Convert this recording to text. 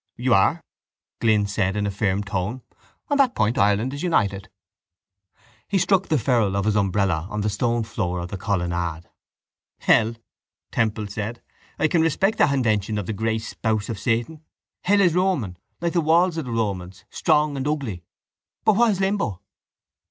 —You are, Glynn said in a firm tone. On that point Ireland is united. He struck the ferrule of his umbrella on the stone floor of the colonnade. —Hell, Temple said. I can respect that invention of the grey spouse of Satan. Hell is Roman, like the walls of the Romans, strong and ugly. But what is limbo?